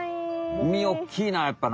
みみおっきいなやっぱな。